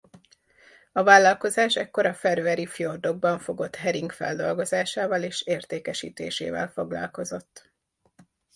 A vállalkozás ekkor a feröeri fjordokban fogott hering feldolgozásával és értékesítésével foglalkozott.